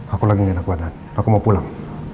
aku lagi ingin ke bandara aku mau pulang